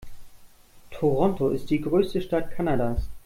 Toronto ist die größte Stadt Kanadas.